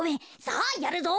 さあやるぞ。